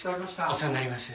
お世話になります。